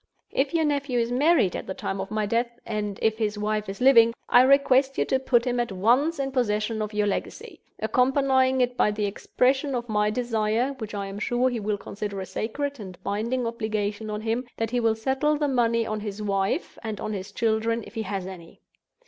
If your nephew is married at the time of my death, and if his wife is living, I request you to put him at once in possession of your legacy; accompanying it by the expression of my desire (which I am sure he will consider a sacred and binding obligation on him) that he will settle the money on his wife—and on his children, if he has any.